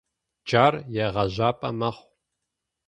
Джар егъэжьапӏэ мэхъу.